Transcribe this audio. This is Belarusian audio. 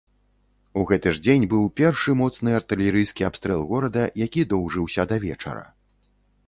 У гэты ж дзень быў першы моцны артылерыйскі абстрэл горада, які доўжыўся да вечара.